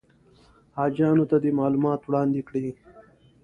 حاجیانو ته دې معلومات وړاندې کړي.